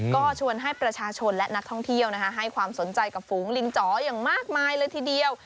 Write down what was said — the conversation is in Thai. ก็ชวนให้ประชาชนและนักท่องเที่ยวให้ความสนใจกับฝูงลิงจ๋ออย่างมากมายเลยทีเดียว